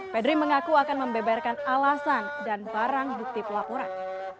pedri mengaku akan membeberkan alasan dan barang bukti pelaporan